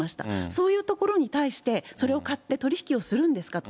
そういうところに対してそれを買って取り引きをするんですかと。